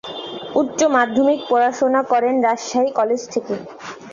উচ্চ মাধ্যমিক পড়াশোনা করেন রাজশাহী কলেজ থেকে।